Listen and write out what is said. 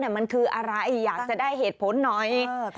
มันคืออะไรอยากจะได้เหตุผลหน่อย